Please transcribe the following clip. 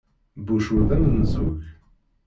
Bush ur d amenzug.